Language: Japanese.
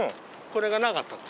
これがなかったの。